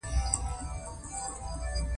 په دې هيله چې وطن به يوه ورځ وطن شي.